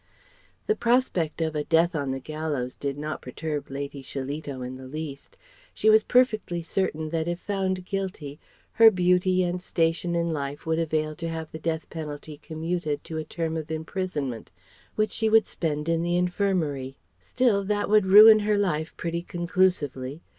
The prospect of a death on the gallows did not perturb Lady Shillito in the least. She was perfectly certain that if found guilty her beauty and station in life would avail to have the death penalty commuted to a term of imprisonment which she would spend in the Infirmary. Still, that would ruin her life pretty conclusively.